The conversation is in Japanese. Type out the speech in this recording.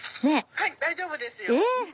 はい大丈夫ですよ。